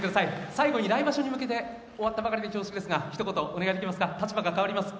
最後に来場所に向けて終わったばかりで恐縮ですがお願いします、立場が変わります。